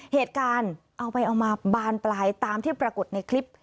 เหตุการณ์เอาไปเอามาบานปลายตามที่ปรากฏในคลิป